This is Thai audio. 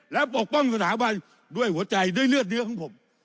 และปกป้องสถาบันด้วยหัวใจด้วยเลือดเนื้อของผม